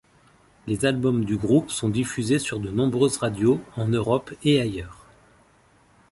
Les albums du groupe sont diffusés sur de nombreuses radios en Europe et ailleurs.